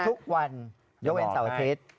ทุกวันยกเวลสัวพิษ